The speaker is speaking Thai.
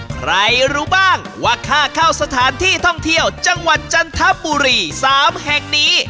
ใครรู้บ้างว่าค่าเข้าสถานที่ท่องเที่ยวจังหวัดจันทบุรี๓แห่งนี้